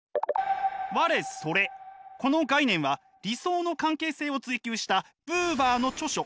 この概念は理想の関係性を追求したブーバーの著書